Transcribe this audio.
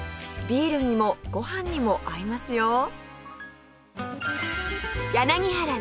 ビールにもご飯にも合いますよ！